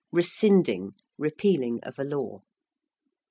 ~rescinding~: repealing of a law.